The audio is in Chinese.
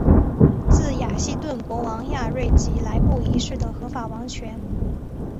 自雅西顿国王亚瑞吉来布一世的合法王权。